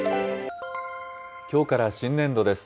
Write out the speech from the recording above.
きょうから新年度です。